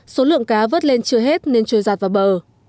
số lượng cá vớt lên chưa hết nên trôi giạt vào bờ